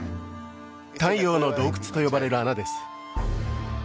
太陽の洞窟と呼ばれる穴です